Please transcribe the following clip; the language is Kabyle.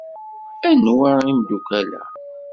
Anwa imeddukal-a?